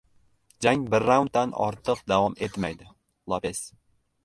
Jang bir raunddan ortiq davom etmaydi – Lopes